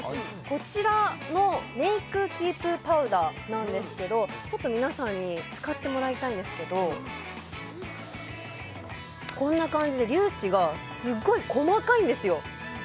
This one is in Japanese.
こちらのメイクキープパウダーなんですけどちょっと皆さんに使ってもらいたいんですけどこんな感じで粒子がすっごい細かいんですよ